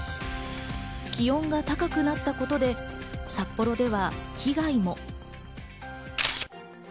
気温が高くなったことで、札幌では被害も。